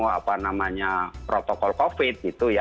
apa namanya protokol covid gitu ya